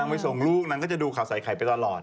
นั่งไปส่งลูกนั่งจะดูข่าวใส่ไข่ไปตลอด